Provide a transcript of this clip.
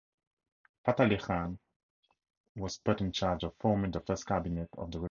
Fatali Khan was put in charge of forming the first cabinet of the republic.